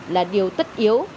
là điều tất yếu